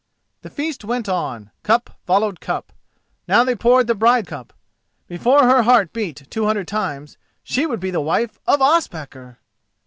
The feast went on—cup followed cup. Now they poured the bride cup! Before her heart beat two hundred times she would be the wife of Ospakar!